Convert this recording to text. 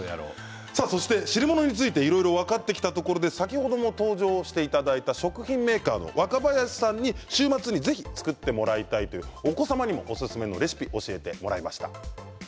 そして汁物についていろいろ分かってきたところで先ほども登場していただいた食品メーカーの若林さんに週末にぜひ作ってもらいたいというお子様にもおすすめのレシピを教えていただきました。